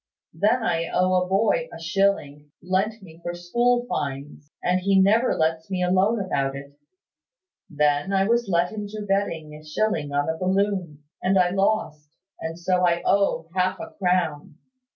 Then I owe a boy a shilling, lent me for school fines; and he never lets me alone about it. Then I was led into betting a shilling on a balloon, and I lost; and so I owe half a crown.